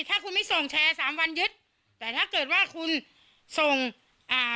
ถ้าคุณไม่ส่งแชร์สามวันยึดแต่ถ้าเกิดว่าคุณส่งอ่า